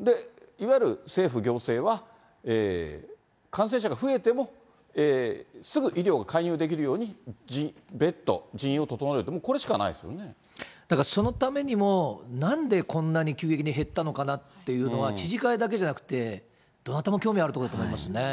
で、いわゆる政府、行政は感染者が増えても、すぐ医療が介入できるように、別途、人員を整えると、だから、そのためにも、なんでこんなに急激に減ったのかなっていうのは、知事会だけじゃなくて、どなたも興味あることだと思いますね。